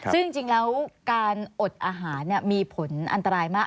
ซึ่งจริงแล้วการอดอาหารมีผลอันตรายมาก